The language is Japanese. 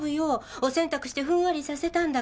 お洗濯してふんわりさせたんだから。